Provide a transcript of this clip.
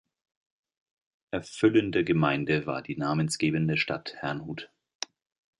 Erfüllende Gemeinde war die namensgebende Stadt Herrnhut.